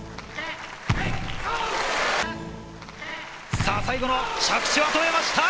さあ、最後の着地は、止めました。